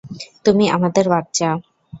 তুমি আমাদের বাচ্চা।